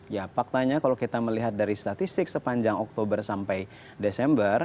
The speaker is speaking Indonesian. ya faktanya kalau kita melihat dari statistik sepanjang oktober sampai desember